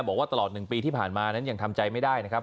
บอกว่าตลอด๑ปีที่ผ่านมานั้นยังทำใจไม่ได้นะครับ